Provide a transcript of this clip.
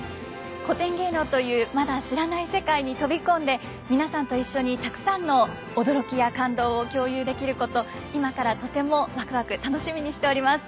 古典芸能というまだ知らない世界に飛び込んで皆さんと一緒にたくさんの驚きや感動を共有できること今からとてもワクワク楽しみにしております。